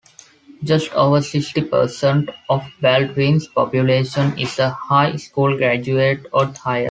Just over sixty percent of Baldwin's population is a high school graduate or higher.